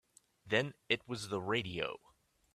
Then it was the radio.